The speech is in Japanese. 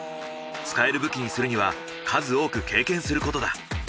使える武器にするには数多く経験することだ。